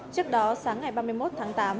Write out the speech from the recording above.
trước đó sáng ngày ba mươi một tháng tám